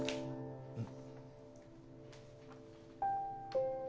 うん。